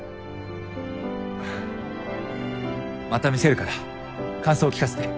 また見せるから感想聞かせて。